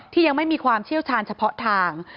ยังไม่มีความเชี่ยวชาญเฉพาะทาง